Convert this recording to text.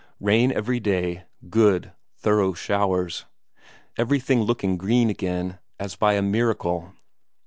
Rain every day; good, thorough showers. Everything looking green again, as by a miracle.